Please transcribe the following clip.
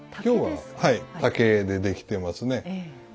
今日ははい竹でできてますね。